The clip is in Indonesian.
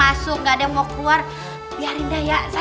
ah yaudah kalian duluan aja